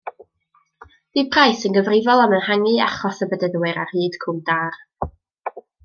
Bu Price yn gyfrifol am ehangu achos y Bedyddwyr ar hyd Cwm Dâr.